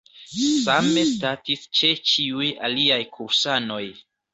Same statis ĉe ĉiuj aliaj kursanoj.